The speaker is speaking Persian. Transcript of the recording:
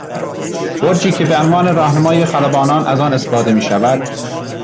برجی که به عنوان راهنمای خلبانان از آن استفاده میشود